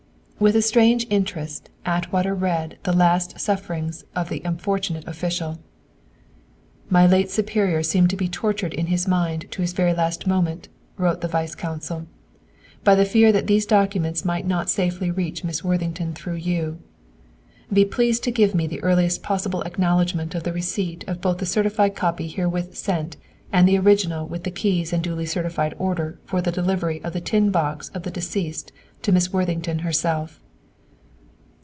With a strange interest, Atwater read of the last sufferings of the unfortunate official. "My late superior seemed to be tortured in his mind to his very last moment," wrote the Vice Consul, "by the fear that these documents might not safely reach Miss Worthington through you. "Be pleased to give me the earliest possible acknowledgment of the receipt of both the certified copy herewith sent and the original with the keys and duly certified order for the delivery of the tin box of the deceased to Miss Worthington herself."